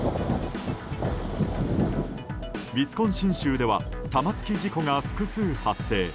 ウィスコンシン州では玉突き事故が複数発生。